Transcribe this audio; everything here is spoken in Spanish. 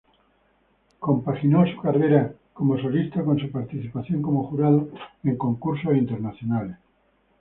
Compaginó su carrera como solista con su participación como jurado en concursos internacionales.